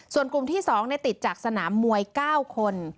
ส่วนกลุ่มที่๒ติดจากสนามมวย๙คน